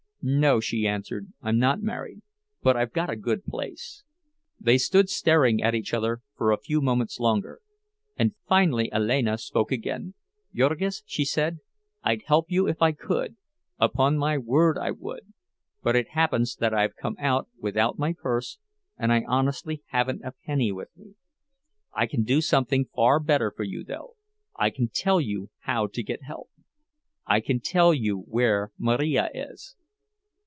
"No," she answered, "I'm not married, but I've got a good place." They stood staring at each other for a few moments longer. Finally Alena spoke again. "Jurgis," she said, "I'd help you if I could, upon my word I would, but it happens that I've come out without my purse, and I honestly haven't a penny with me: I can do something better for you, though—I can tell you how to get help. I can tell you where Marija is."